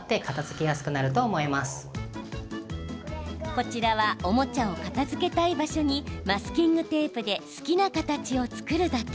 こちらはおもちゃを片づけたい場所にマスキングテープで好きな形を作るだけ。